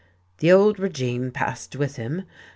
"The old regime passed with him.